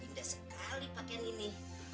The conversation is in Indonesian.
indah sekali pakaian ini